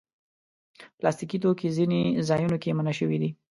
پلاستيکي توکي ځینو ځایونو کې منع شوي دي.